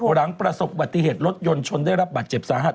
หลังประสบปฏิเหตุรถยนต์ชนได้รับบัตรเจ็บสาหัส